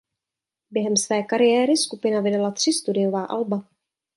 Během své kariéry skupina vydala tři studiová alba.